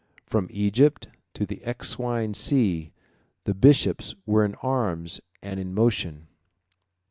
129 From Egypt to the Euxine Sea, the bishops were in arms and in motion.